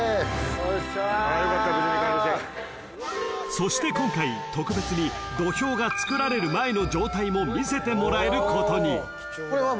［そして今回特別に土俵が作られる前の状態も見せてもらえることに］